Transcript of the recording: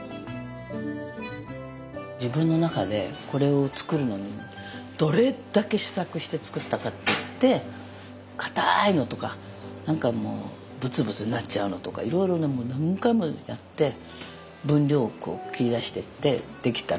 自分の中でこれを作るのにどれだけ試作して作ったかっていってかたいのとか何かもうブツブツなっちゃうのとかいろいろ何回もやって分量切り出してって出来たのがこれなの。